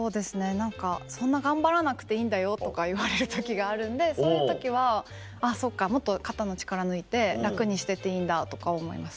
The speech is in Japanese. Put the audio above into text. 何か「そんな頑張らなくていいんだよ」とか言われる時があるんでそういう時は「あっそっかもっと肩の力抜いて楽にしてていいんだ」とか思います。